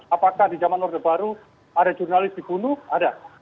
apakah di zaman orde baru ada jurnalis dibunuh ada